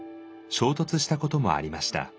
衝突したこともありました。